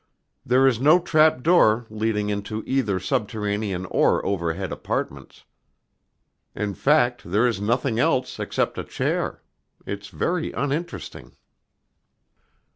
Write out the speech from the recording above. There is no trap door leading into either subterranean or overhead apartments. In fact, there is nothing else, except a chair. It's very uninteresting."